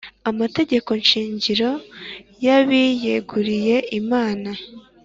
Amategekoshingiro y abiyeguriye Imana